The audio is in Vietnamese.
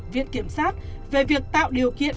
viện kiểm sát về việc tạo điều kiện